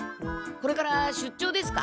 これから出張ですか？